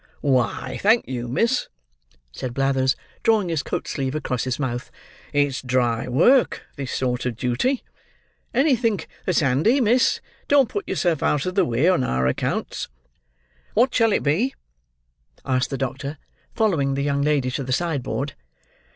"Why, thank you, miss!" said Blathers, drawing his coat sleeve across his mouth; "it's dry work, this sort of duty. Anythink that's handy, miss; don't put yourself out of the way, on our accounts." "What shall it be?" asked the doctor, following the young lady to the sideboard.